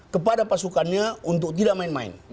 kepada pasukannya untuk tidak main main